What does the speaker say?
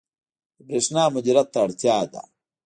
• د برېښنا مدیریت ته اړتیا ده.